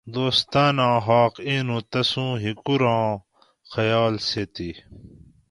دوستاناں حاق اینوں تسوں ہکوکوراں خیال سیتی